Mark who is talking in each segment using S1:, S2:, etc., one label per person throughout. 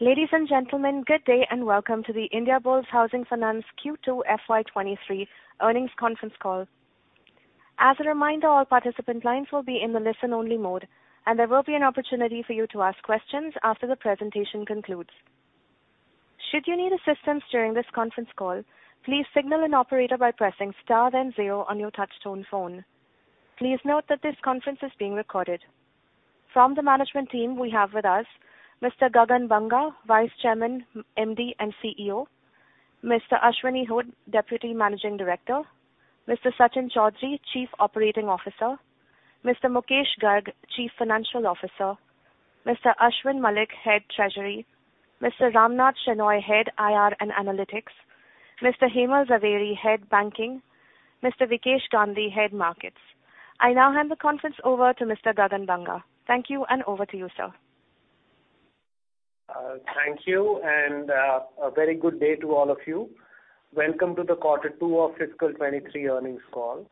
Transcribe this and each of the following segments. S1: Ladies and gentlemen, good day and welcome to the Indiabulls Housing Finance Q2 FY 2023 Earnings Conference Call. As a reminder, all participant lines will be in the listen-only mode and there will be an opportunity for you to ask questions after the presentation concludes. Should you need assistance during this conference call, please signal an operator by pressing star then zero on your touchtone phone. Please note that this conference is being recorded. From the management team, we have with us Mr. Gagan Banga; Vice Chairman, MD and CEO, Mr. Ashwini Hooda; Deputy Managing Director, Mr. Sachin Chaudhary; Chief Operating Officer, Mr. Mukesh Garg; Chief Financial Officer, Mr. Ashwin Malik; Head Treasury, Mr. Ramnath Shenoy; Head IR and Analytics, Mr. Hemal Zaveri; Head Banking, Mr. Vikesh Gandhi; Head Markets. I now hand the conference over to Mr. Gagan Banga. Thank you, and over to you, sir.
S2: Thank you and a very good day to all of you. Welcome to the quarter 2 of fiscal 2023 earnings call.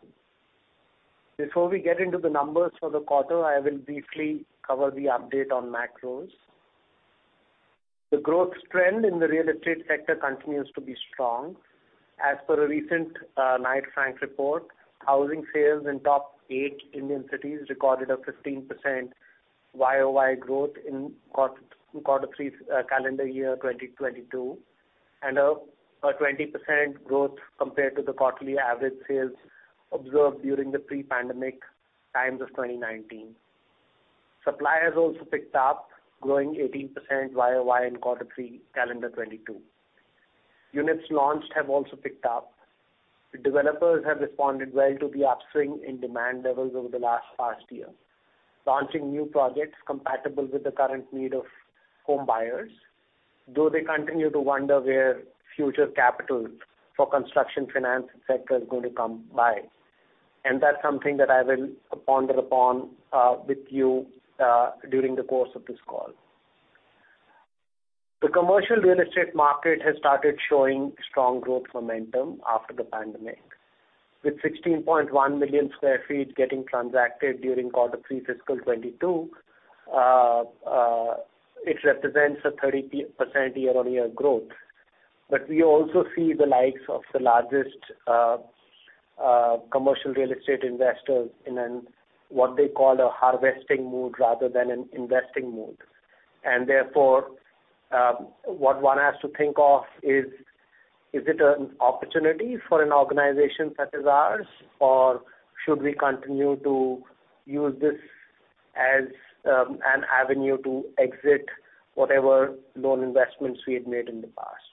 S2: Before we get into the numbers for the quarter, I will briefly cover the update on macros. The growth trend in the real estate sector continues to be strong. As per a recent Knight Frank report, housing sales in top eight Indian cities recorded a 15% YOY growth in quarter three calendar year 2022, and a 20% growth compared to the quarterly average sales observed during the pre-pandemic times of 2019. Supply has also picked up, growing 18% YOY in quarter three calendar 2022. Units launched have also picked up. The developers have responded well to the upswing in demand levels over the past year, launching new projects compatible with the current need of home buyers, though they continue to wonder where future capital for construction finance sector is going to come by. That's something that I will ponder upon with you during the course of this call. The commercial real estate market has started showing strong growth momentum after the pandemic. With 16.1 million sq ft getting transacted during quarter 3 fiscal 2022, it represents a 30% year-on-year growth. We also see the likes of the largest commercial real estate investors in what they call a harvesting mood rather than an investing mood. Therefore, what one has to think of is it an opportunity for an organization such as ours, or should we continue to use this as an avenue to exit whatever loan investments we had made in the past.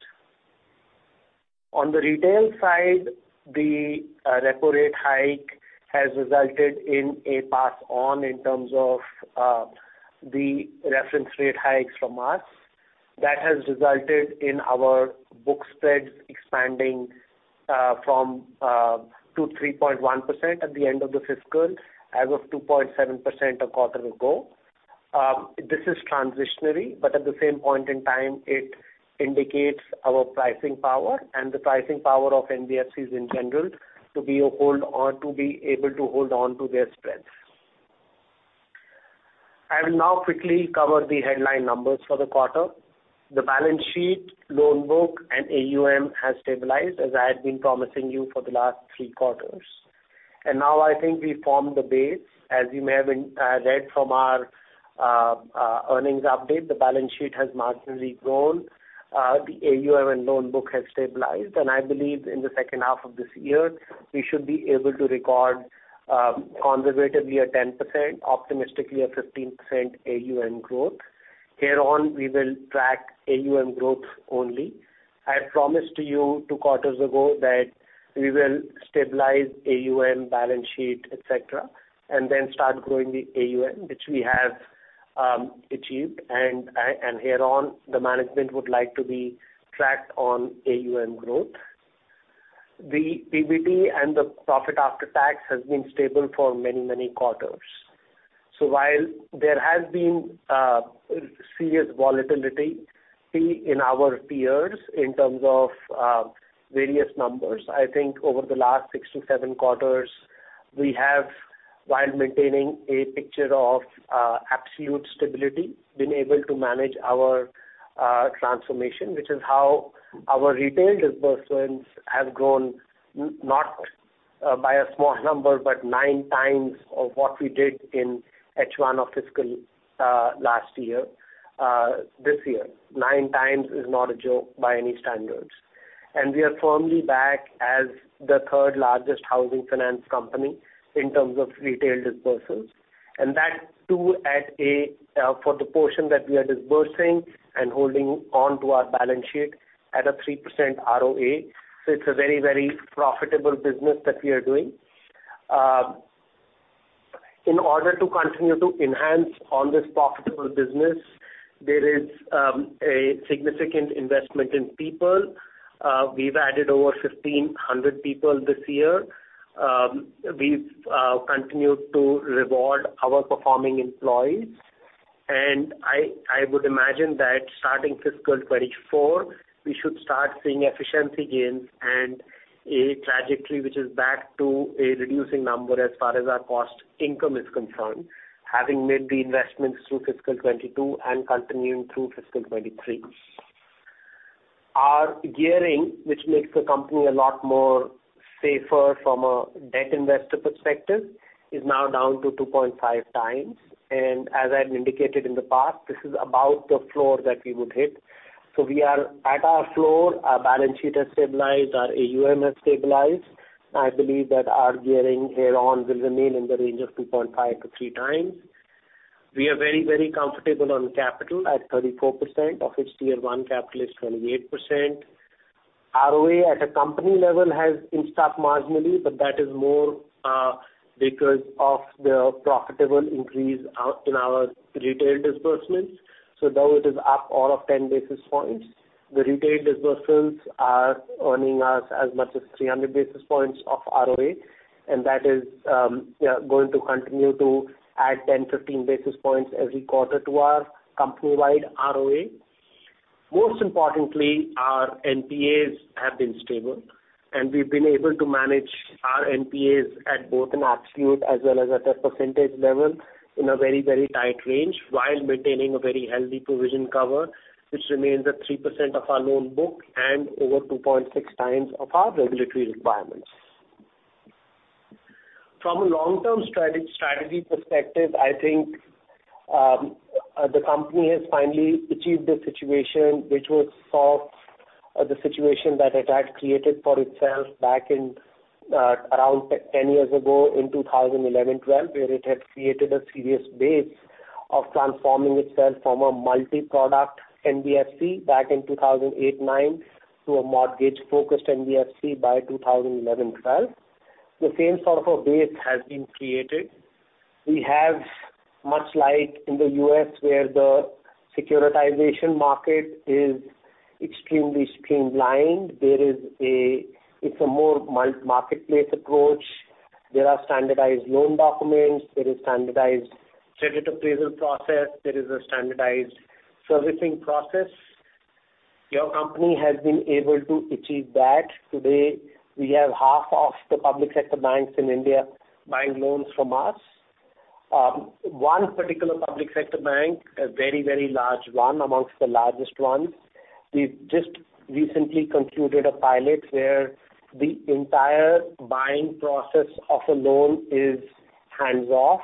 S2: On the retail side, the repo rate hike has resulted in a pass on in terms of the reference rate hikes from us. That has resulted in our book spreads expanding from 2.3% at the end of the fiscal as of 2.7% a quarter ago. This is transitory but at the same point in time, it indicates our pricing power and the pricing power of NBFCs in general to be a hold on or to be able to hold on to their spreads. I will now quickly cover the headline numbers for the quarter. The balance sheet, loan book, and AUM has stabilized as I had been promising you for the last three quarters. Now I think we've formed the base. As you may have read from our earnings update, the balance sheet has marginally grown. The AUM and loan book has stabilized. I believe in the second half of this year, we should be able to record conservatively a 10%, optimistically a 15% AUM growth. Hereon, we will track AUM growth only. I promised to you two quarters ago that we will stabilize AUM balance sheet, etc., and then start growing the AUM, which we have achieved. Hereon, the management would like to be tracked on AUM growth. The PBT and the profit after tax has been stable for many, many quarters. While there has been serious volatility in our peers in terms of various numbers, I think over the last six to seven quarters, we have, while maintaining a picture of absolute stability, been able to manage our transformation. Which is how our retail disbursements have grown not by a small number, but 9x of what we did in H1 of fiscal last year, this year. A 9x is not a joke by any standards. We are firmly back as the third-largest housing finance company in terms of retail disbursements. That too at a for the portion that we are disbursing and holding onto our balance sheet at a 3% RoA. It's a very, very profitable business that we are doing. In order to continue to enhance on this profitable business, there is a significant investment in people. We've added over 1,500 people this year. We've continued to reward our performing employees. I would imagine that starting fiscal 2024, we should start seeing efficiency gains and a trajectory which is back to a reducing number as far as our cost-to-income is concerned, having made the investments through fiscal 2022 and continuing through fiscal 2023. Our gearing, which makes the company a lot more safer from a debt investor perspective, is now down to 2.5x, and as I've indicated in the past, this is about the floor that we would hit. We are at our floor. Our balance sheet has stabilized. Our AUM has stabilized. I believe that our gearing here on will remain in the range of 2.5x-3x. We are very, very comfortable on capital at 34%, of which tier 1 capital is 28%. RoA at a company level has increased marginally, but that is more because of the profitable increase in our retail disbursements. Though it is up all of 10 basis points, the retail disbursements are earning us as much as 300 basis points of RoA, and that is going to continue to add 10-15 basis points every quarter to our company-wide RoA. Most importantly, our NPAs have been stable, and we've been able to manage our NPAs at both an absolute as well as at a percentage level in a very, very tight range while maintaining a very healthy provision cover, which remains at 3% of our loan book and over 2.6x of our regulatory requirements. From a long-term strategy perspective, I think, the company has finally achieved a situation which was solved, the situation that it had created for itself back in, around 10 years ago in 2011, 2012, where it had created a serious base of transforming itself from a multi-product NBFC back in 2008, 2009, to a mortgage-focused NBFC by 2011, 2012. The same sort of a base has been created. We have, much like in the U.S. where the securitization market is extremely streamlined, it's a more multi-marketplace approach. There are standardized loan documents. There is standardized credit appraisal process. There is a standardized servicing process. Your company has been able to achieve that. Today, we have half of the public sector banks in India buying loans from us. One particular public sector bank, a very, very large one, among the largest ones, we've just recently concluded a pilot where the entire buying process of a loan is hands-off.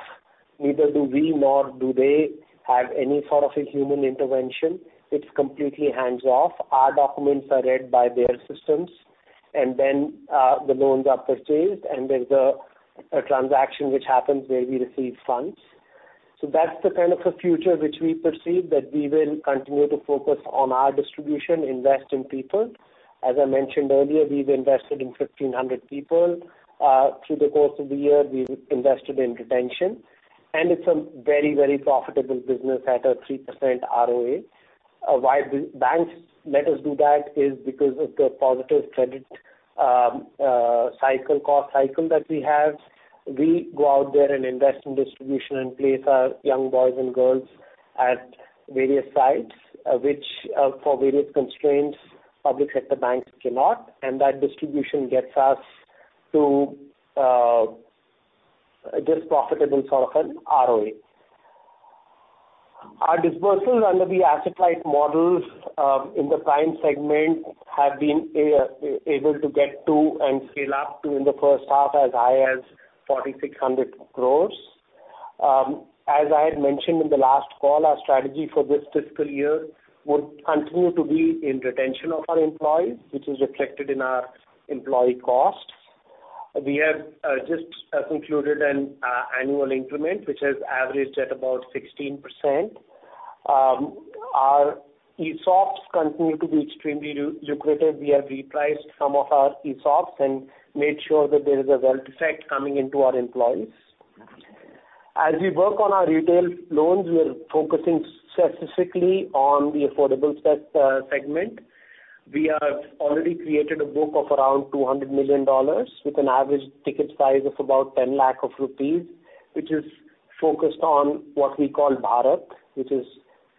S2: Neither do we nor do they have any sort of a human intervention. It's completely hands-off. Our documents are read by their systems, and then, the loans are purchased, and there's a transaction which happens where we receive funds. That's the kind of a future which we perceive that we will continue to focus on our distribution, invest in people. As I mentioned earlier, we've invested in 1,500 people. Through the course of the year, we've invested in retention, and it's a very, very profitable business at a 3% RoA. Why banks let us do that is because of the positive credit cycle, cost cycle that we have. We go out there and invest in distribution and place our young boys and girls at various sites, which for various constraints public sector banks cannot and that distribution gets us to this profitable sort of an RoA. Our disbursements under the asset-light models, in the prime segment have been able to get to and scale up to in the first half as high as 4,600 crores. As I had mentioned in the last call, our strategy for this fiscal year would continue to be in retention of our employees, which is reflected in our employee costs. We have just concluded an annual increment, which has averaged at about 16%. Our ESOPs continue to be extremely lucrative. We have repriced some of our ESOPs and made sure that there is a wealth effect coming into our employees. As we work on our retail loans, we are focusing specifically on the affordable segment. We have already created a book of around $200 million with an average ticket size of about 10 lakh rupees, which is focused on what we call Bharat, which is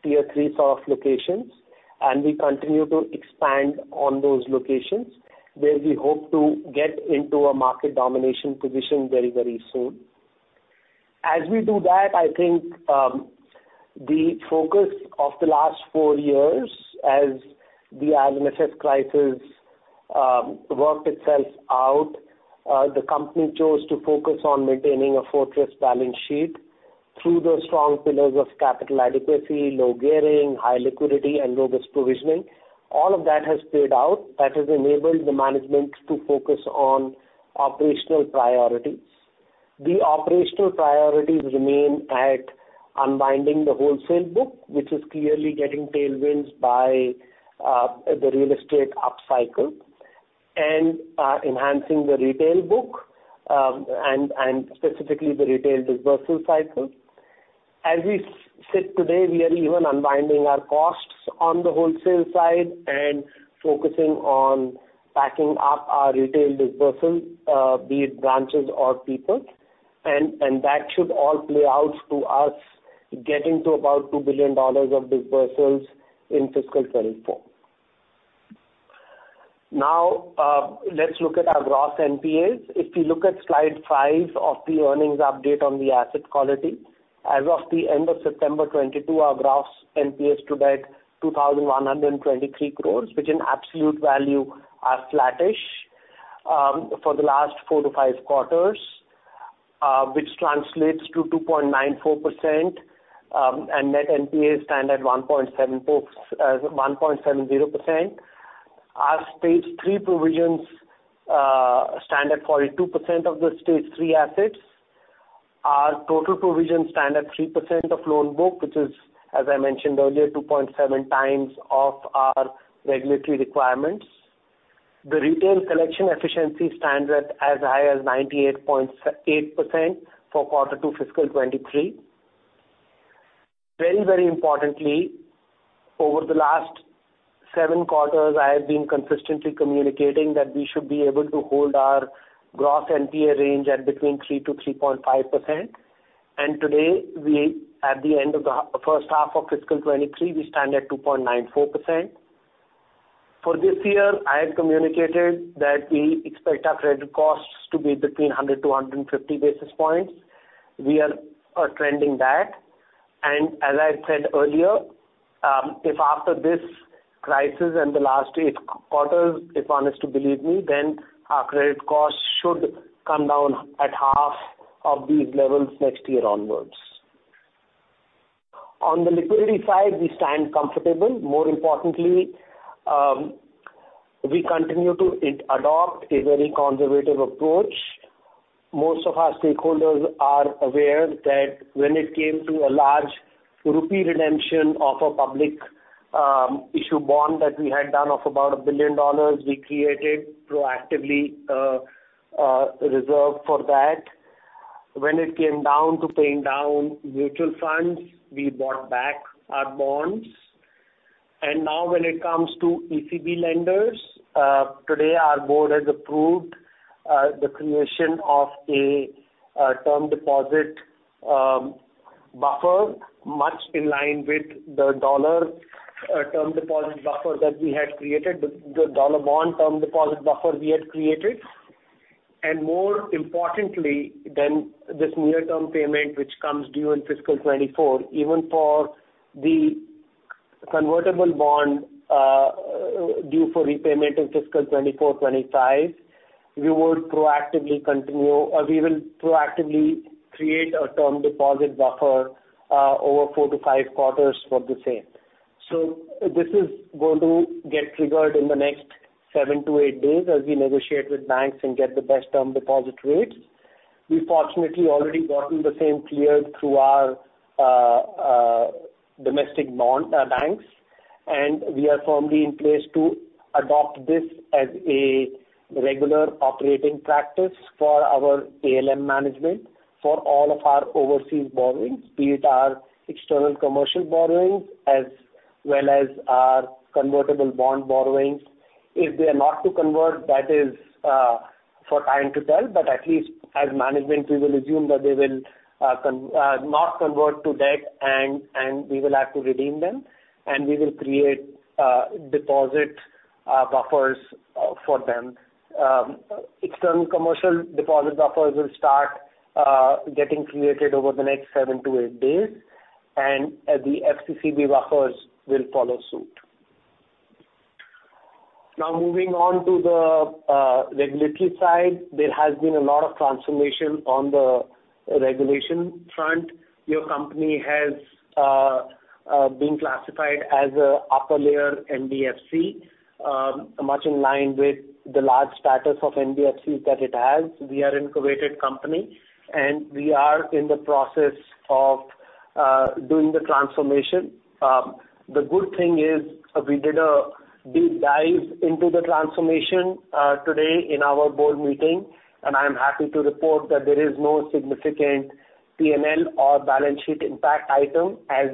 S2: tier 3 sort of locations, and we continue to expand on those locations where we hope to get into a market domination position very, very soon. As we do that, I think the focus of the last four years as the IL&FS crisis worked itself out, the company chose to focus on maintaining a fortress balance sheet through the strong pillars of capital adequacy, low gearing, high liquidity and robust provisioning. All of that has paid out that has enabled the management to focus on operational priorities. The operational priorities remain at unwinding the wholesale book, which is clearly getting tailwinds by the real estate upcycle and enhancing the retail book and specifically the retail disbursal cycle. As we sit today, we are even unwinding our costs on the wholesale side and focusing on building up our retail disbursal, be it branches or people that should all play out to us getting to about $2 billion of disbursements in fiscal 2024. Now, let's look at our gross NPAs, if you look at slide five of the earnings update on the asset quality. As of the end of September 2022, our gross NPAs stood at 2,123 crore, which in absolute value are flattish for the last four-five quarters, which translates to 2.94%, and net NPAs stand at 1.70%. Our Stage 3 provisions stand at 42% of the Stage 3 assets. Our total provisions stand at 3% of loan book, which is, as I mentioned earlier, 2.7x of our regulatory requirements. The retail collection efficiency stands at as high as 98.8% for quarter two fiscal 2023. Very, very importantly, over the last seven quarters, I have been consistently communicating that we should be able to hold our gross NPA range at between 3%-3.5%. Today, we at the end of the first half of fiscal 2023, we stand at 2.94%. For this year, I have communicated that we expect our credit costs to be between 100-150 basis points, we are trending that. As I said earlier, if after this crisis and the last eight quarters, if one is to believe me, then our credit costs should come down at half of these levels next year onwards. On the liquidity side, we stand comfortable. More importantly, we continue to adopt a very conservative approach. Most of our stakeholders are aware that when it came to a large rupee redemption of a public issue bond that we had done of about $1 billion, we created proactively a reserve for that. When it came down to paying down mutual funds, we bought back our bonds. Now when it comes to ECB lenders, today our board has approved the creation of a term deposit buffer much in line with the dollar term deposit buffer that we had created, the dollar bond term deposit buffer we had created. More importantly than this near-term payment, which comes due in fiscal 2024, even for the convertible bond due for repayment in fiscal 2024, 2025, we will proactively create a term deposit buffer over four-five quarters for the same. This is going to get triggered in the next seven-eight days as we negotiate with banks and get the best term deposit rates. We fortunately already gotten the same cleared through our domestic bonds and banks and we are firmly in place to adopt this as a regular operating practice for our ALM management for all of our overseas borrowings, be it our external commercial borrowings as well as our convertible bond borrowings. If they are not to convert, that is time will tell, but at least as management, we will assume that they will not convert to debt and we will have to redeem them and we will create deposit buffers for them. External commercial deposit buffers will start getting created over the next seven-eight days and the FCCB buffers will follow suit. Now, moving on to the regulatory side. There has been a lot of transformation on the regulatory front. Your company has been classified as an upper-layer NBFC, much in line with the large status of NBFCs that it has. We are an incubated company and we are in the process of doing the transformation. The good thing is we did a deep dive into the transformation today in our board meeting, and I am happy to report that there is no significant P&L or balance sheet impact item as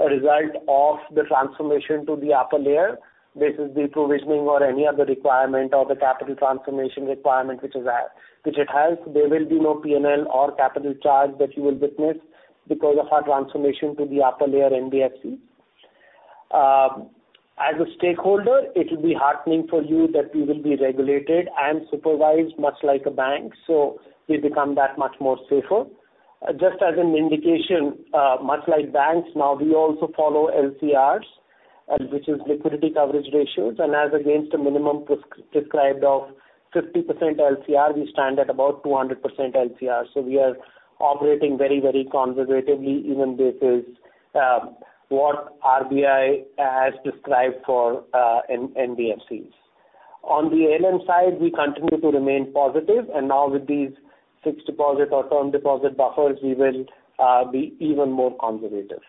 S2: a result of the transformation to the upper-layer. This is the provisioning or any other requirement or the capital transformation requirement which it has. There will be no P&L or capital charge that you will witness because of our transformation to the upper-layer NBFC. As a stakeholder, it will be heartening for you that we will be regulated and supervised much like a bank, so we become that much more safer. Just as an indication, much like banks, now we also follow LCRs, which is liquidity coverage ratios. As against a minimum prescribed of 50% LCR, we stand at about 200% LCR. We are operating very, very conservatively even this is what RBI has prescribed for NBFCs. On the ALM side, we continue to remain positive. Now with these fixed deposit or term deposit buffers, we will be even more conservative.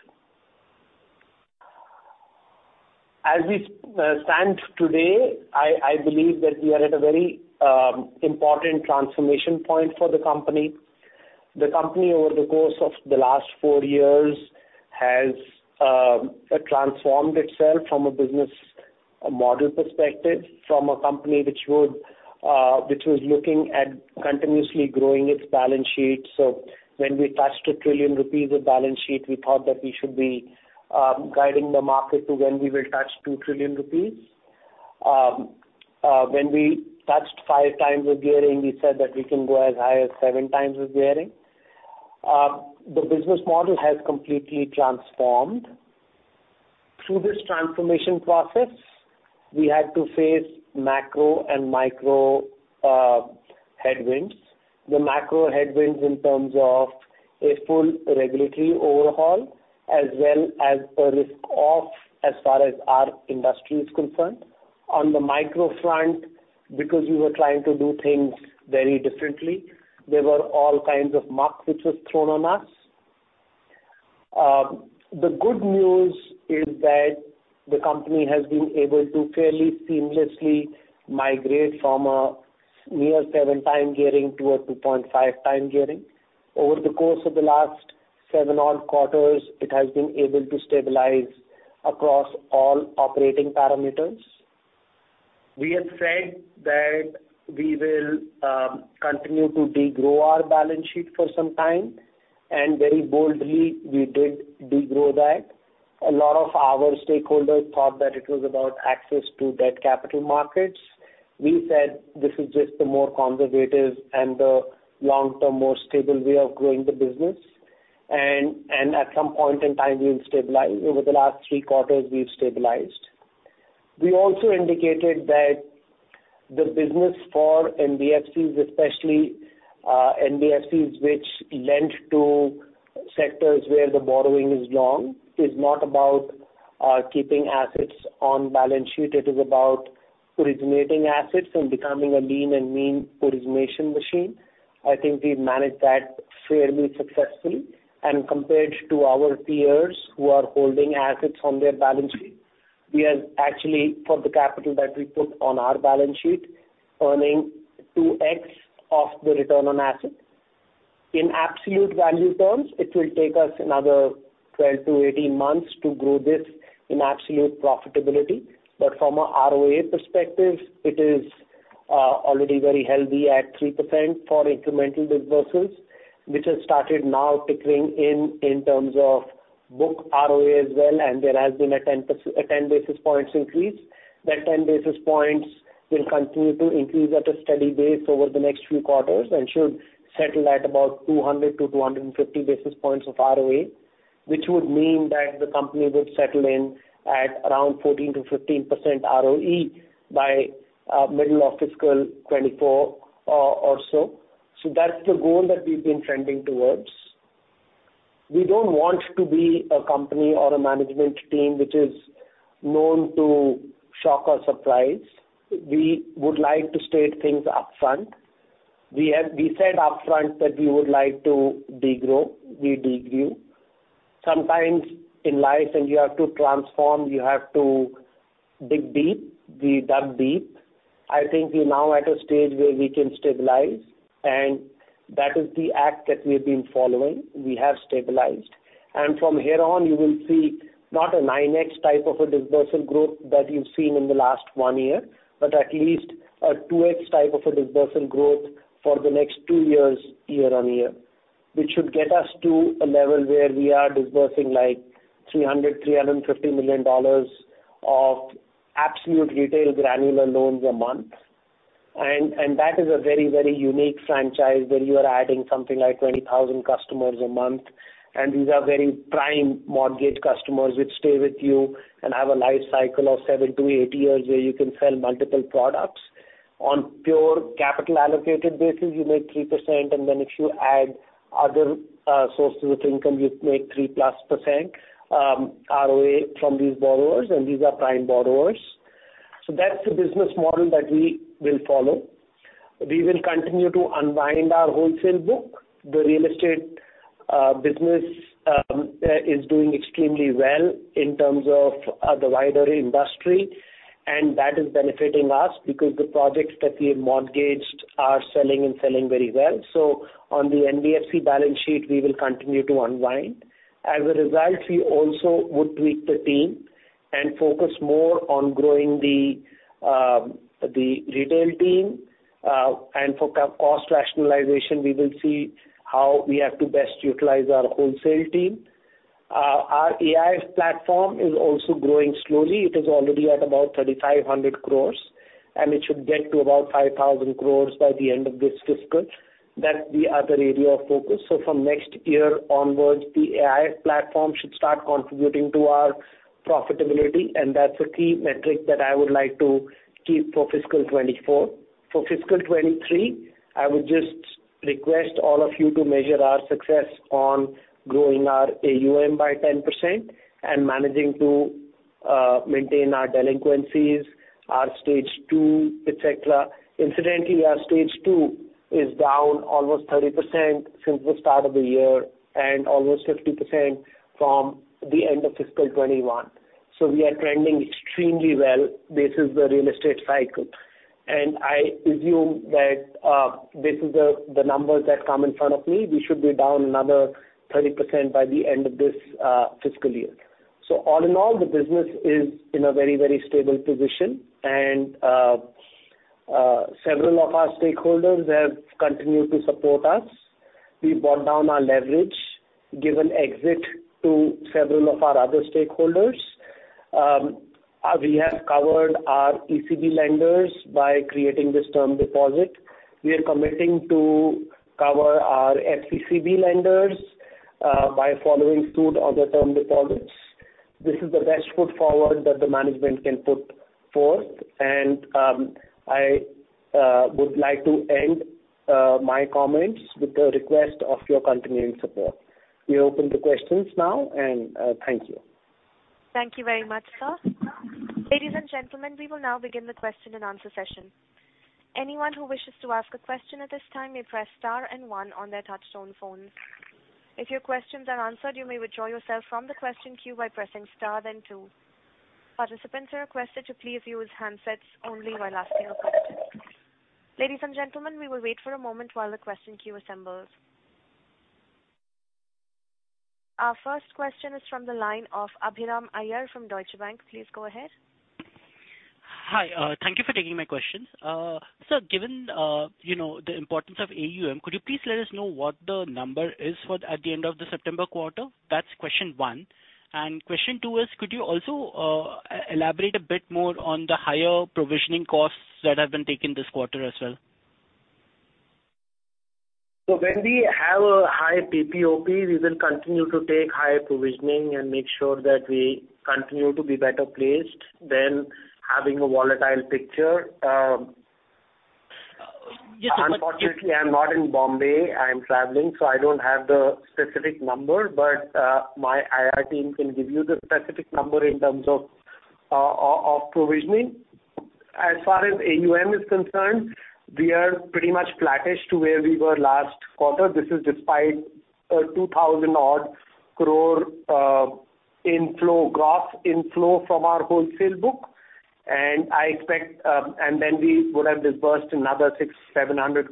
S2: As we stand today, I believe that we are at a very important transformation point for the company. The company over the course of the last four years has transformed itself from a business model perspective from a company which was looking at continuously growing its balance sheet. When we touched 1 trillion rupees of balance sheet, we thought that we should be guiding the market to when we will touch 2 trillion rupees. When we touched 5x the gearing, we said that we can go as high as 7x the gearing. The business model has completely transformed through this transformation process, we had to face macro and micro headwinds. The macro headwinds in terms of a full regulatory overhaul as well as a risk off as far as our industry is concerned. On the micro front, because we were trying to do things very differently, there were all kinds of muck which was thrown on us. The good news is that the company has been able to fairly seamlessly migrate from a near 7x gearing to a 2.5x gearing. Over the course of the last seven odd quarters, it has been able to stabilize across all operating parameters. We have said that we will continue to degrowth our balance sheet for some time, and very boldly we did degrowth that. A lot of our stakeholders thought that it was about access to debt capital markets. We said this is just a more conservative and a long-term, more stable way of growing the business. At some point in time, we will stabilize. Over the last three quarters, we've stabilized. We also indicated that the business for NBFCs, especially NBFCs which lent to sectors where the borrowing is long, is not about keeping assets on balance sheet. It is about originating assets and becoming a lean and mean origination machine. I think we've managed that fairly successfully. Compared to our peers who are holding assets on their balance sheet, we are actually, for the capital that we put on our balance sheet, earning 2x of the return on assets. In absolute value terms, it will take us another 12-18 months to grow this in absolute profitability. From a RoA perspective, it is already very healthy at 3% for incremental disbursements, which has started now trickling in ters of book RoA as well. There has been a ten basis points increase that 10 basis points will continue to increase at a steady pace over the next few quarters and should settle at about 200-250 basis points of RoA, which would mean that the company will settle in at around 14%-15% RoE by middle of fiscal 2024 or so. That's the goal that we've been trending towards. We don't want to be a company or a management team which is known to shock or surprise. We would like to state things upfront. We said upfront that we would like to degrowth, we degrowth. Sometimes in life when you have to transform, you have to dig deep. We dug deep. I think we're now at a stage where we can stabilize, and that is the act that we've been following. We have stabilized. From here on you will see not a 9x type of a disbursement growth that you've seen in the last one year, but at least a 2x type of a disbursement growth for the next two years, year-over-year, which should get us to a level where we are disbursing like $300 million-$350 million of absolute retail granular loans a month. That is a very, very unique franchise where you are adding something like 20,000 customers a month, and these are very prime mortgage customers which stay with you and have a life cycle of seven-eight years, where you can sell multiple products. On pure capital allocated basis, you make 3%, and then if you add other sources of income, you make 3%+ RoA from these borrowers, and these are prime borrowers. That's the business model that we will follow. We will continue to unwind our wholesale book. The real estate business is doing extremely well in terms of the wider industry, and that is benefiting us because the projects that we have mortgaged are selling and selling very well. On the NBFC balance sheet, we will continue to unwind. As a result, we also would tweak the team and focus more on growing the retail team, and for cost rationalization, we will see how we have to best utilize our wholesale team. Our AIF platform is also growing slowly. It is already at about 3,500 crores, and it should get to about 5,000 crores by the end of this fiscal that's the other area of focus. From next year onwards, the AIF platform should start contributing to our profitability that's a key metric that I would like to keep for fiscal 2024. For fiscal 2023, I would just request all of you to measure our success on growing our AUM by 10% and managing to maintain our delinquencies, our Stage 2, etc.. Incidentally, our Stage 2 is down almost 30% since the start of the year and almost 50% from the end of fiscal 2021. We are trending extremely well this is the real estate cycle. I assume that this is the numbers that come in front of me. We should be down another 30% by the end of this fiscal year. All in all, the business is in a very, very stable position. Several of our stakeholders have continued to support us. We've brought down our leverage, given exit to several of our other stakeholders. We have covered our ECB lenders by creating this term deposit. We are committing to cover our FCCB lenders by following suit on the term deposits. This is the best foot forward that the management can put forth. I would like to end my comments with the request of your continuing support. We're open to questions now and thank you.
S1: Thank you very much Sir. Ladies and gentlemen, we will now begin the question and answer session. Anyone who wishes to ask a question at this time may press star and one on their touchtone phones. If your questions are answered, you may withdraw yourself from the question queue by pressing star then two. Participants are requested to please use handsets only while asking a question. Ladies and gentlemen, we will wait for a moment while the question queue assembles. Our first question is from the line of Abhiram Iyer from Deutsche Bank. Please go ahead.
S3: Hi, thank you for taking my questions. Sir, given you know the importance of AUM, could you please let us know what the number is for at the end of the September quarter? That's question one. Question two is, could you also elaborate a bit more on the higher provisioning costs that have been taken this quarter as well?
S2: When we have a high PPOP, we will continue to take higher provisioning and make sure that we continue to be better placed than having a volatile picture.
S3: Just one.
S2: Unfortunately, I'm not in Bombay, I'm traveling, so I don't have the specific number. My ir team can give you the specific number in terms of provisioning. As far as AUM is concerned, we are pretty much flattish to where we were last quarter. This is despite an 2,000-odd crore inflow, gross inflow from our wholesale book. I expect, and then we would have disbursed another 600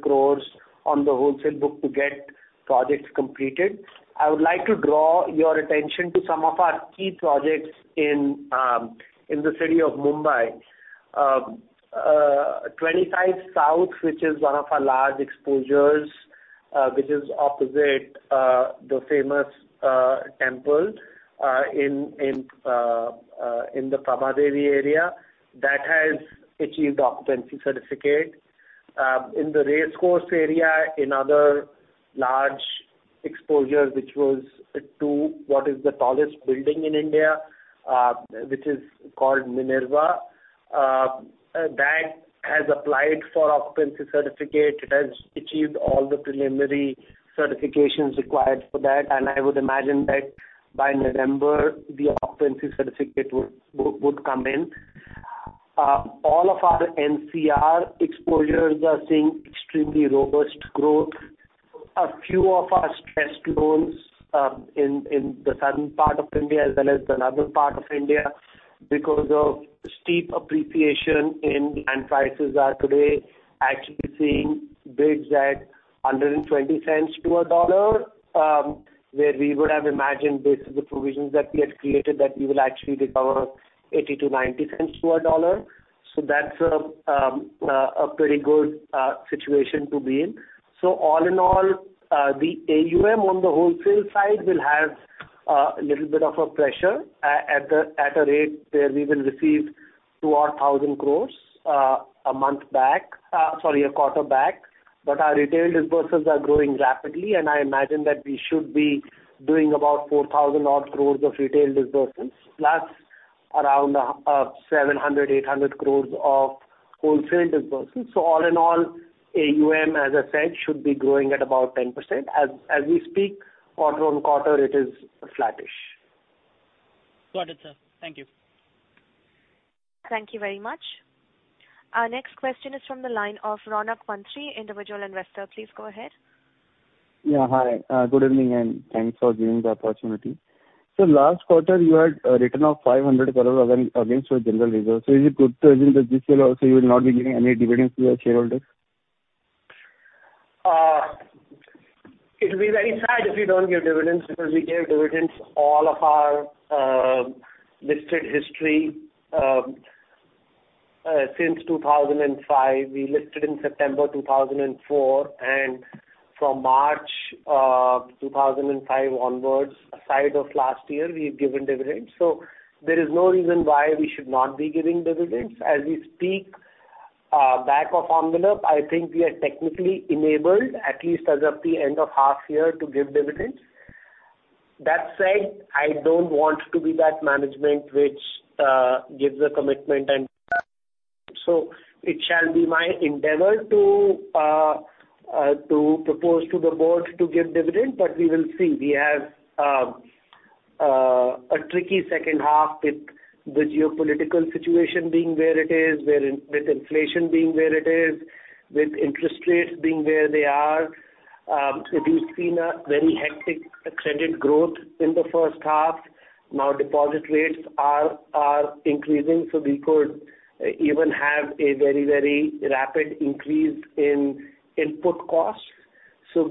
S2: crores-700 crores on the wholesale book to get projects completed. I would like to draw your attention to some of our key projects in the city of Mumbai. A 25 South, which is one of our large exposures, which is opposite the famous temple in the Prabhadevi area. That has achieved occupancy certificate. In the racecourse area, another large exposure which was to what is the tallest building in India, which is called Minerva. That has applied for occupancy certificate. It has achieved all the preliminary certifications required for that. I would imagine that by November the occupancy certificate would come in. All of our NCR exposures are seeing extremely robust growth. A few of our stressed loans in the southern part of India as well as the northern part of India because of steep appreciation in land prices are today actually seeing bids at under $0.20, where we would have imagined based on the provisions that we had created that we will actually recover $0.80-$0.90 that's a pretty good situation to be in. All in all, the AUM on the wholesale side will have a little bit of a pressure at the rate where we will receive 2,000-odd crore a quarter back. Sorry, a quarter back. Our retail disbursements are growing rapidly, and I imagine that we should be doing about 4,000-odd crore of retail disbursements, plus around 700 crore-800 crore of wholesale disbursements. All in all, AUM, as I said, should be growing at about 10%. As we speak, quarter-on-quarter it is flattish.
S3: Got it Sir, thank you.
S1: Thank you very much. Our next question is from the line of Raunak Patni, Individual Investor. Please go ahead.
S4: Yeah. Hi, good evening and thanks for giving the opportunity. Last quarter you had a return of 500 crore against your general reserve. Is it good to assume that this year also you will not be giving any dividends to your shareholders?
S2: It'll be very sad if we don't give dividends because we gave dividends all of our listed history since 2005. We listed in September 2004, from March of 2005 onwards, aside from last year, we've given dividends. There is no reason why we should not be giving dividends. As we speak, back of envelope, I think we are technically enabled at least as of the end of half year to give dividends. That said, I don't want to be that management which gives a commitment. It shall be my endeavor to propose to the board to give dividend, but we will see. We have a tricky second half with the geopolitical situation being where it is. With inflation being where it is, with interest rates being where they are. We've seen a very hectic credit growth in the first half. Now deposit rates are increasing, so we could even have a very, very rapid increase in input costs.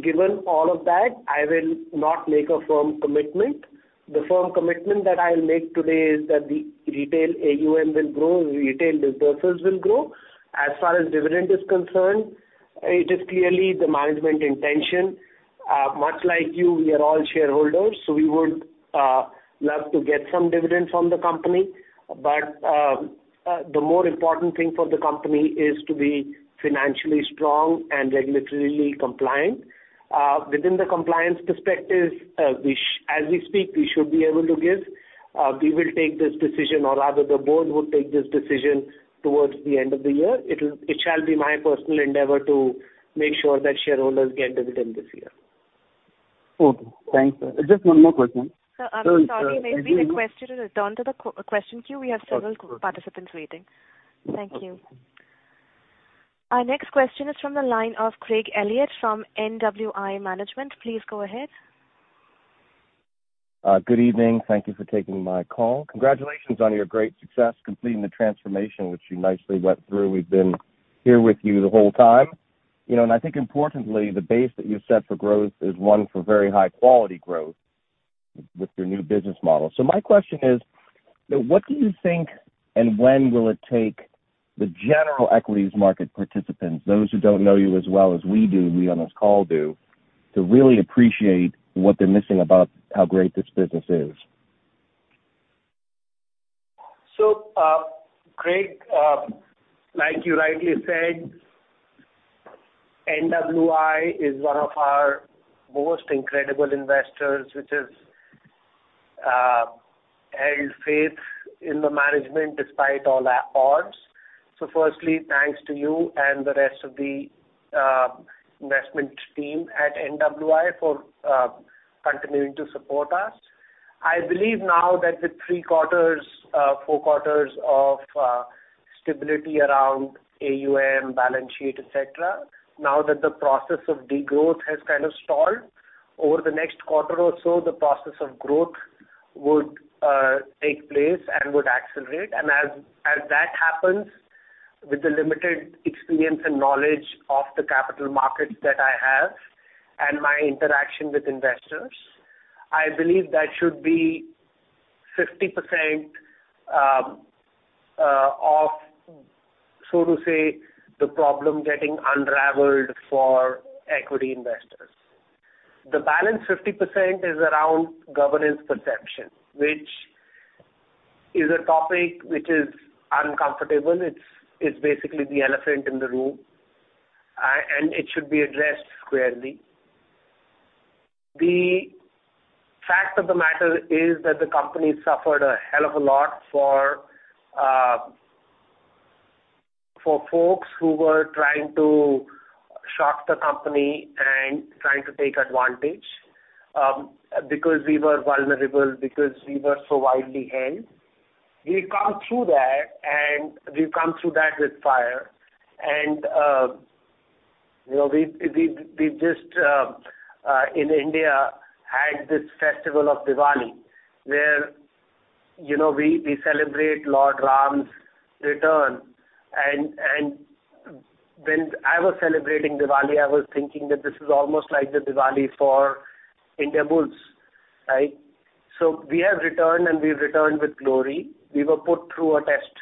S2: Given all of that, I will not make a firm commitment. The firm commitment that I'll make today is that the retail AUM will grow, retail dispersals will grow. As far as dividend is concerned, it is clearly the management intention. Much like you, we are all shareholders, so we would love to get some dividends from the company. But the more important thing for the company is to be financially strong and regulatory compliant. Within the compliance perspective, as we speak, we should be able to give. We will take this decision, or rather the board will take this decision towards the end of the year. It shall be my personal endeavor to make sure that shareholders get dividend this year.
S4: Okay. Thanks Sir. Just one more question.
S1: Sir, I'm sorry maybe the question returns to the question queue. We have several participants waiting. Thank you. Our next question is from the line of Craig Elliott from NWI Management. Please go ahead.
S5: Good evening, thank you for taking my call. Congratulations on your great success completing the transformation which you nicely went through. We've been here with you the whole time. You know, and I think importantly, the base that you've set for growth is one for very high quality growth with your new business model. My question is, what do you think and when will it take the general equities market participants, those who don't know you as well as we do, we on this call do, to really appreciate what they're missing about how great this business is?
S2: Craig, like you rightly said, NWI is one of our most incredible investors, which has held faith in the management despite all our odds. Firstly, thanks to you and the rest of the investment team at NWI for continuing to support us. I believe now that with three quarters, four quarters of stability around AUM, balance sheet, et cetera. Now that the process of degrowth has kind of stalled. Over the next quarter or so, the process of growth would take place and would accelerate. As that happens, with the limited experience and knowledge of the capital markets that I have and my interaction with investors, I believe that should be 50% of, so to say, the problem getting unraveled for equity investors. The balance 50% is around governance perception, which is a topic which is uncomfortable. It's basically the elephant in the room, and it should be addressed squarely. The fact of the matter is that the company suffered a hell of a lot for folks who were trying to shock the company and trying to take advantage, because we were vulnerable, because we were so widely held. We've come through that, and we've come through that with fire. You know, we just in India had this festival of Diwali where, you know, we celebrate Lord Ram's return. When I was celebrating Diwali, I was thinking that this is almost like the Diwali for Indiabulls, right? We have returned, and we've returned with glory. We were put through a test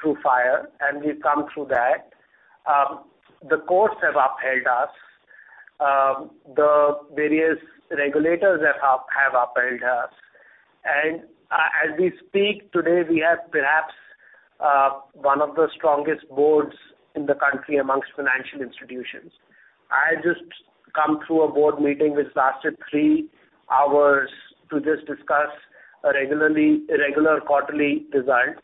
S2: through fire, and we've come through that, the courts have upheld us, the various regulators have upheld us. As we speak today, we have perhaps one of the strongest boards in the country amongst financial institutions. I just come through a board meeting which lasted 3 hours to just discuss regular quarterly results.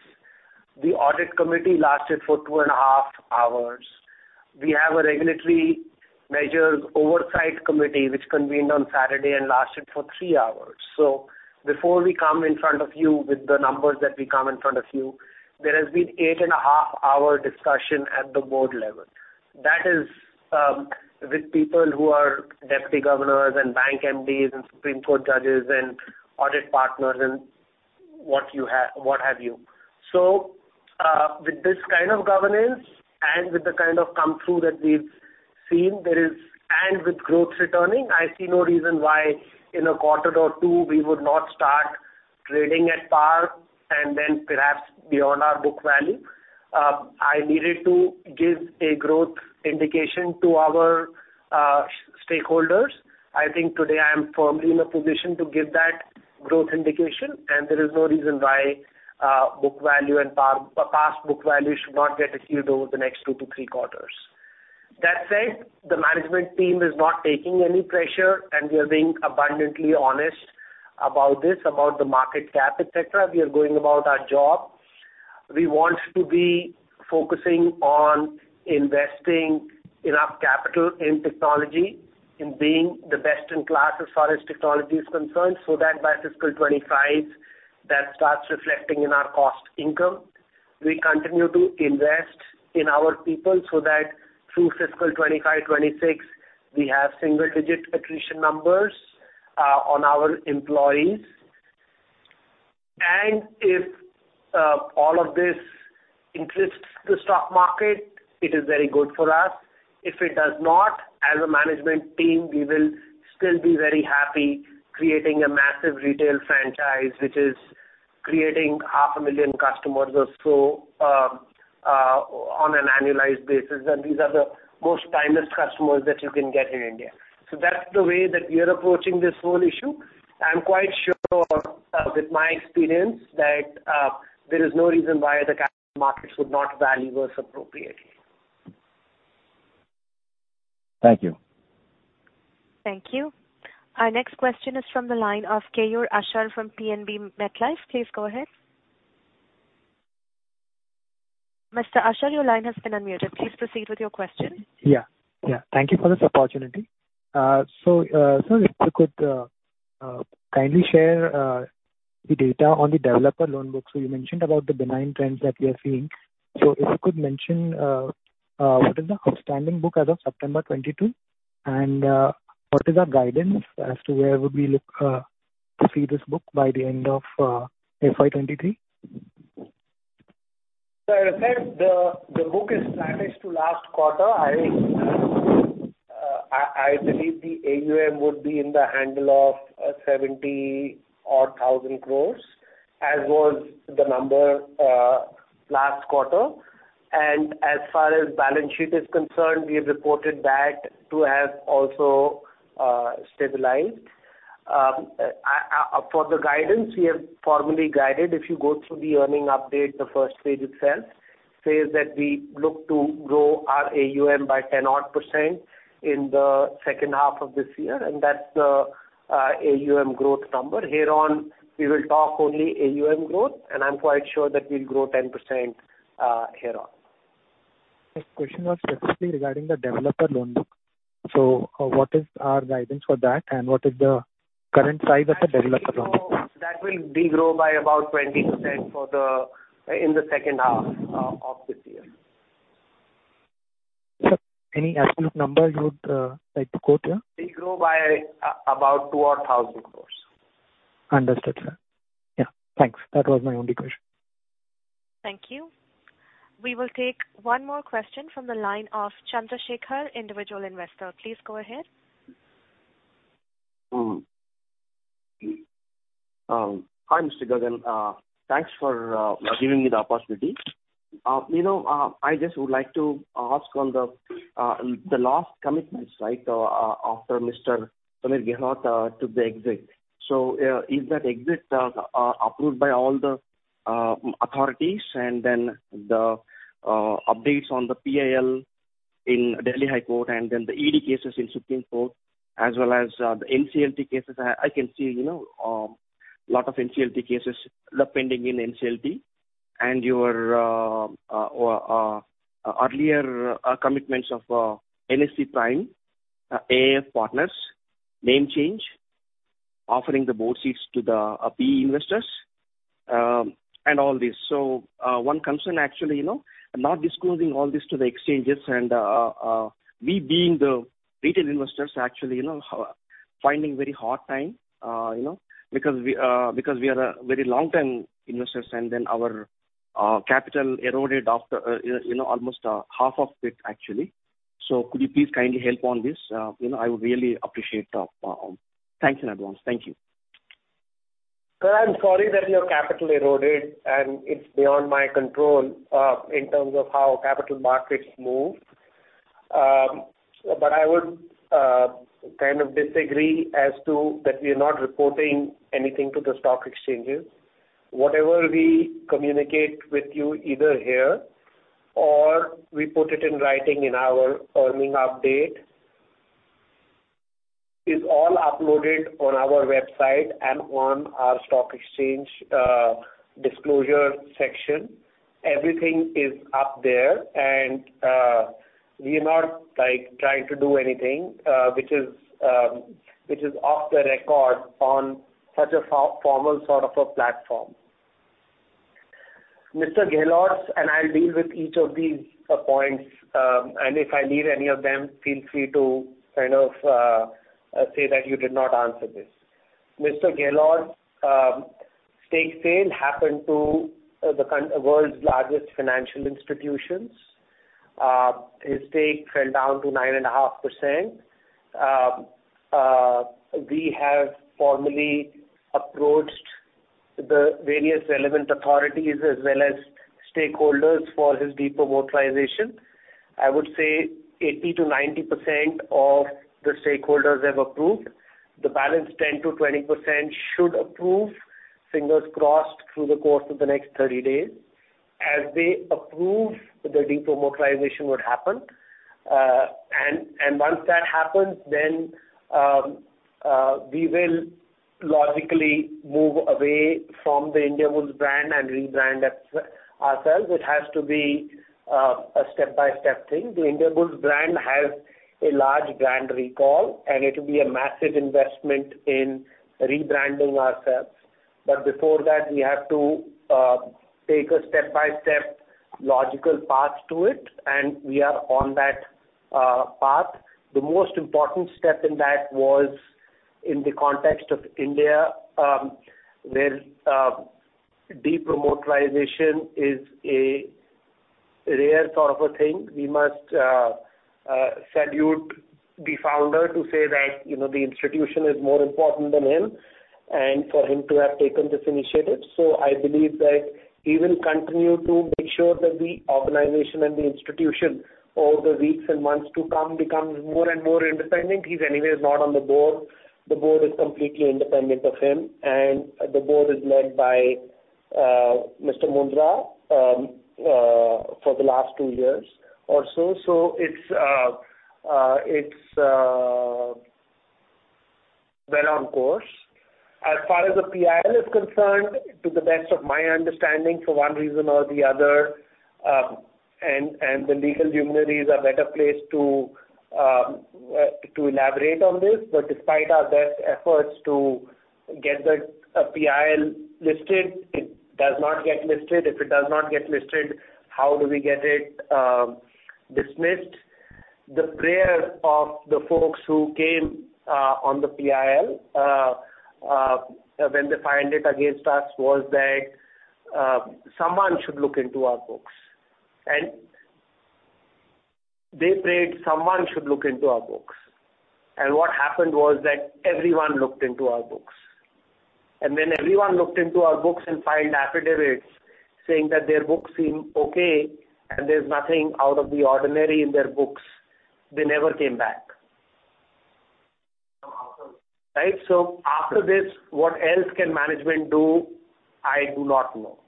S2: The audit committee lasted for 2.5 hours. We have a regulatory measures oversight committee, which convened on Saturday and lasted for 3 hours. Before we come in front of you with the numbers that we come in front of you, there has been 8.5 hour discussion at the board level. That is, with people who are deputy governors and bank MDs and Supreme Court judges and audit partners and what have you. With this kind of governance and with the kind of come through that we've seen, there is, and with growth returning, I see no reason why in a quarter or two we would not start trading at par and then perhaps beyond our book value. I needed to give a growth indication to our stakeholders. I think today I am firmly in a position to give that growth indication, and there is no reason why book value and par, past book value should not get achieved over the next two to three quarters. That said, the management team is not taking any pressure, and we are being abundantly honest about this, about the market cap, etc.. We are going about our job. We want to be focusing on investing enough capital in technology and being the best-in-class as far as technology is concerned, so that by fiscal 2025, that starts reflecting in our cost-to-income. We continue to invest in our people so that through fiscal 2025, 2026, we have single-digit attrition numbers on our employees. If all of this interests the stock market, it is very good for us. If it does not, as a management team, we will still be very happy creating a massive retail franchise which is creating half a million customers or so on an annualized basis. These are the most timeless customers that you can get in India. That's the way that we are approaching this whole issue. I'm quite sure with my experience that there is no reason why the capital markets would not value us appropriately.
S5: Thank you.
S1: Thank you. Our next question is from the line of Keyur Ashar from PNB MetLife. Please go ahead. Mr. Ashar, your line has been unmuted. Please proceed with your question.
S6: Yeah, thank you for this opportunity. Sir, if you could kindly share the data on the developer loan book. You mentioned about the benign trends that we are seeing. If you could mention what is the outstanding book as of September 2022? And what is our guidance as to where would we look to see this book by the end of FY 2023?
S2: Sir, as I said, the book is static to last quarter. I believe the AUM would be in the handle of 70-odd thousand crore, as was the number last quarter. As far as balance sheet is concerned, we have reported that to have also stabilized. For the guidance, we have formally guided. If you go through the earnings update, the first page itself says that we look to grow our AUM by 10-odd% in the second half of this year, and that's the AUM growth number. Hereon, we will talk only AUM growth, and I'm quite sure that we'll grow 10%, hereon.
S6: My question was specifically regarding the developer loan book. What is our guidance for that and what is the current size of the developer loan book?
S2: That will degrowth by about 20% in the second half of this year.
S6: Sir, any absolute numbers you would like to quote here?
S2: Degrowth by about 2,000 crore.
S6: Understood, sir. Yeah thanks that was my only question.
S1: Thank you. We will take one more question from the line of Chandrashekhar, Individual Investor. Please go ahead.
S7: Hi Mr. Gagan Banga, thanks for giving me the opportunity. You know, I just would like to ask on the last commitments, right? After Mr. Sameer Gehlaut took the exit. Is that exit approved by all the authorities? Then the updates on the PIL in Delhi High Court and then the ED cases in Supreme Court as well as the NCLT cases. I can see, you know, lot of NCLT cases pending in NCLT and your earlier commitments of NSE Prime, AIF partners, name change, offering the board seats to the PE investors, and all this. One concern actually, you know, not disclosing all this to the exchanges and we being the retail investors actually, you know, finding very hard time, you know. Because we are a very long-term investors and then our capital eroded after, you know, almost half of it actually. Could you please kindly help on this? You know, I would really appreciate that. Thanks in advance, thank you.
S2: Sir, I'm sorry that your capital eroded, and it's beyond my control in terms of how capital markets move. I would kind of disagree as to that we are not reporting anything to the stock exchanges. Whatever we communicate with you either here or we put it in writing in our earnings update is all uploaded on our website and on our stock exchange disclosure section. Everything is up there and we are not, like, trying to do anything which is off the record on such a formal sort of a platform. Mr. Gehlaut's, and I'll deal with each of these points, and if I leave any of them feel free to kind of say that you did not answer this. Mr. Gehlaut's stake sale happened to the world's largest financial institutions. His stake fell down to 9.5%. We have formally approached the various relevant authorities as well as stakeholders for his de-promoterization. I would say 80%-90% of the stakeholders have approved. The balance 10%-20% should approve, fingers crossed, through the course of the next 30 days. As they approve, the de-promoterization would happen. Once that happens, we will logically move away from the Indiabulls brand and rebrand ourselves. It has to be a step-by-step thing. The Indiabulls brand has a large brand recall, and it will be a massive investment in rebranding ourselves. Before that, we have to take a step-by-step logical path to it, and we are on that path. The most important step in that was in the context of India, where de-promoterization is a rare sort of a thing. We must salute the founder to say that, you know, the institution is more important than him and for him to have taken this initiative. I believe that he will continue to make sure that the organization and the institution, over the weeks and months to come, becomes more and more independent. He's anyways not on the board. The board is completely independent of him, and the board is led by Mr. Mundra for the last two years or so. It's well on course. As far as the PIL is concerned, to the best of my understanding, for one reason or the other, and the legal luminaries are better placed to elaborate on this. Despite our best efforts to get the PIL listed, it does not get listed. If it does not get listed, how do we get it dismissed? The prayer of the folks who came on the PIL when they filed it against us was that someone should look into our books. They prayed someone should look into our books. What happened was that everyone looked into our books. When everyone looked into our books and filed affidavits saying that their books seem okay and there's nothing out of the ordinary in their books, they never came back. Right? After this, what else can management do? I do not know.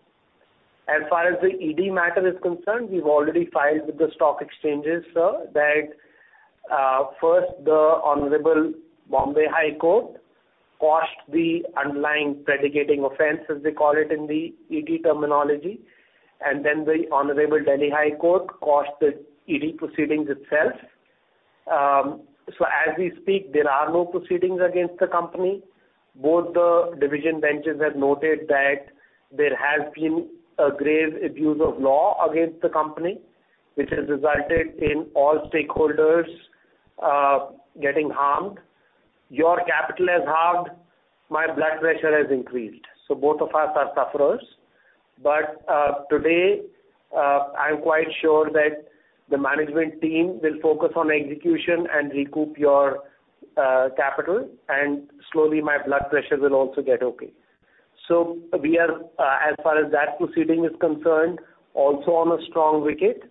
S2: As far as the ED matter is concerned, we've already filed with the stock exchanges Sir, that first, the Honorable Bombay High Court quashed the underlying predicate offense, as they call it in the ED terminology, and then the Honorable Delhi High Court quashed the ED proceedings itself. As we speak, there are no proceedings against the company. Both the division benches have noted that there has been a grave abuse of law against the company, which has resulted in all stakeholders getting harmed. Your capital is harmed. My blood pressure has increased both of us are sufferers. Today, I'm quite sure that the management team will focus on execution and recoup your capital. Slowly, my blood pressure will also get okay. We are, as far as that proceeding is concerned, also on a strong wicket.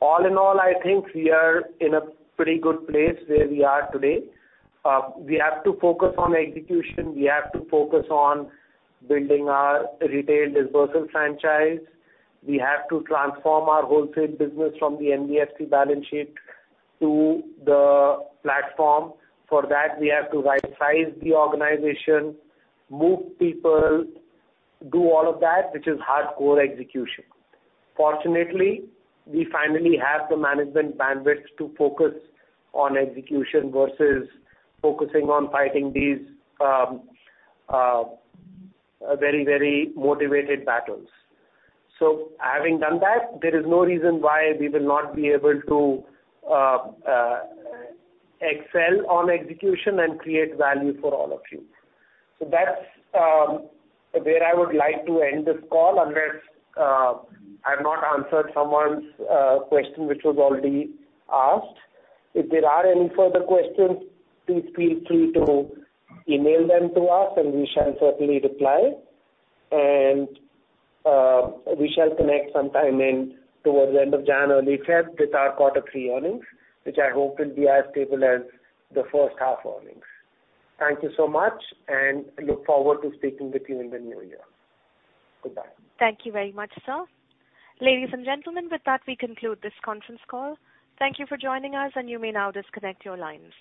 S2: All in all, I think we are in a pretty good place where we are today. We have to focus on execution. We have to focus on building our retail disbursal franchise. We have to transform our wholesale business from the NBFC balance sheet to the platform. For that, we have to rightsize the organization, move people, do all of that, which is hardcore execution. Fortunately, we finally have the management bandwidth to focus on execution versus focusing on fighting these, very, very motivated battles. Having done that, there is no reason why we will not be able to excel on execution and create value for all of you. That's where I would like to end this call, unless I've not answered someone's question which was already asked. If there are any further questions, please feel free to email them to us, and we shall certainly reply. We shall connect sometime in towards the end of January 5th with our quarter three earnings, which I hope will be as stable as the first half earnings. Thank you so much, and I look forward to speaking with you in the new year. Goodbye.
S1: Thank you very much Sir. Ladies and gentlemen with that, we conclude this conference call. Thank you for joining us and you may now disconnect your lines.